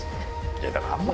いやだからあんま。